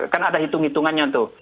kan ada hitung hitungannya tuh